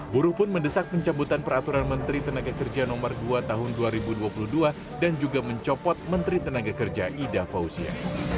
buruh pun mendesak pencabutan peraturan menteri tenaga kerja no dua tahun dua ribu dua puluh dua dan juga mencopot menteri tenaga kerja ida fauzia